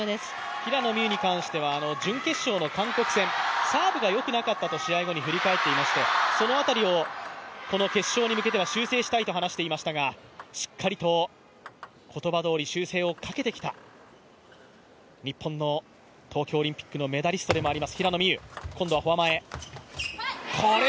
平野美宇に関しては準決勝の韓国戦、サーブが良くなかったと試合後に振り返っていましてその辺りをこの決勝に向けては修正したいと話していましたが、しっかりと言葉どおり修正をかけてきた日本の東京オリンピックのメダリストでもあります平野美宇。